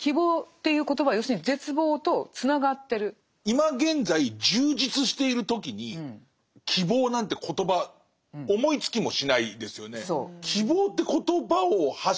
今現在充実している時に「希望」なんて言葉思いつきもしないですよね。